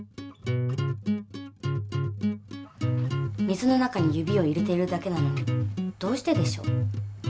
水の中に指を入れてるだけなのにどうしてでしょう？